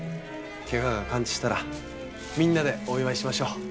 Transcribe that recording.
怪我が完治したらみんなでお祝いしましょう。